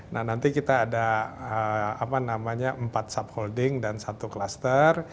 nah nanti kita ada apa namanya empat subholding dan satu cluster